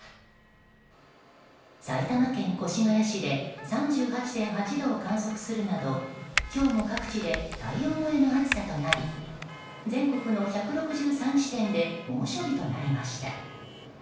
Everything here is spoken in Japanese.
埼玉県越谷市で３８．８度を観測するなど今日も各地で体温超えの暑さとなり全国の１６３地点で猛暑日となりました。